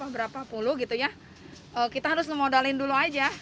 berapa puluh gitu ya kita harus memodalin dulu aja